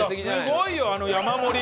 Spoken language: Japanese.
すごいよあの山盛り。